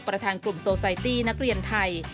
ประธานกลุ่มโซไซตี้นักเรียนไทย